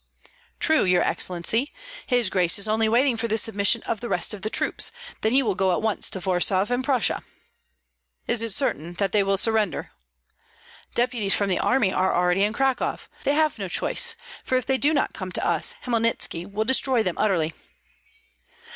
"True, your excellency; his Grace is only waiting for the submission of the rest of the troops, then he will go at once to Warsaw and to Prussia." "Is it certain that they will surrender?" "Deputies from the army are already in Cracow. They have no choice, for if they do not come to us Hmelnitski will destroy them utterly."